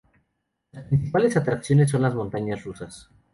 Las principales atracciones son las montañas rusas.